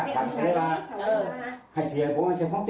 อ้อจะแหงกว่า๗๘แสน